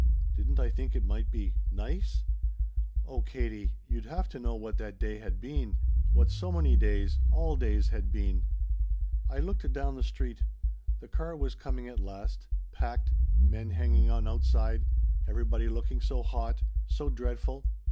"Didn't I think it might be nice? Oh Katie you'd have to know what that day had been what so many days all days had been. "I looked down the street. The car was coming at last packed men hanging on outside everybody looking so hot so dreadful.